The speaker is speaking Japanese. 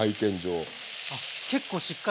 あっ結構しっかり。